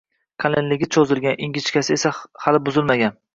Qalinligi cho'zilgan, ingichkasi esa hali buzilmagan